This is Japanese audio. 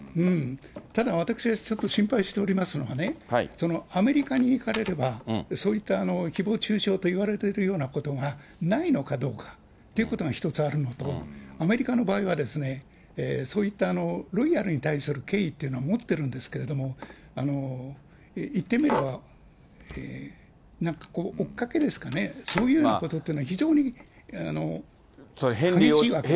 ただ私はちょっと心配しておりますのがね、アメリカに行かれれば、そういったひぼう中傷といわれてるようなことがないのかどうかということが一つあるのと、アメリカの場合は、そういったロイヤルに対する敬意というのもってるんですけれども、言ってみれば追っかけですかね、そういうようなことっていうのは、非常に激しいわけです。